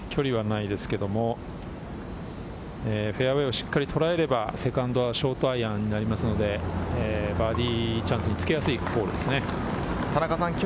距離はないですけれども、フェアウエーをしっかり捉えればセカンドはショートアイアンになりますので、バーディーチャンスでつけやすいホールですね。